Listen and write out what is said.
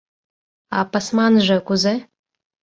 — А пысманже кузе?